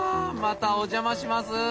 またお邪魔します。